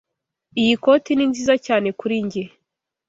Iyi koti ni nziza cyane kuri njye.